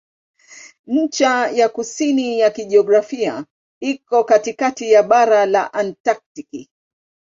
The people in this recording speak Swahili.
Ncha ya kusini ya kijiografia iko katikati ya bara la Antaktiki.